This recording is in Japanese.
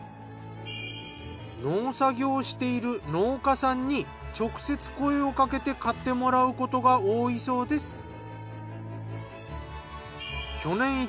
農作業している農家さんに直接声をかけて買ってもらうことが多いそうです。